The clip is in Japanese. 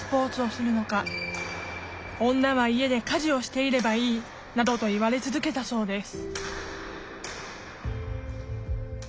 「女は家で家事をしていればいい」などと言われ続けたそうです